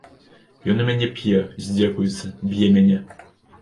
Ён у мяне п'е, здзекуецца, б'е мяне.